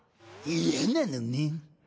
嫌なのねん。